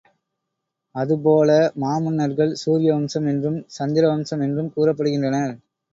அது போல மா மன்னர்கள் சூரிய வம்சம் என்றும், சந்திர வம்சம் என்றும் கூறப்படுகின்றனர்.